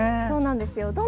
そうなんですよ。